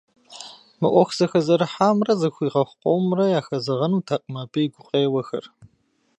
Мы Ӏуэху зэхэзэрыхьамрэ зэхуигъэхъу къомымрэ яхэзэгъэнутэкъым абы и гукъеуэхэр.